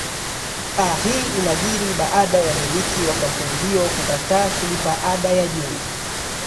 a hii inajiri baada ya wamiliki wa kampuni hiyo kukataa kulipa ada ya juu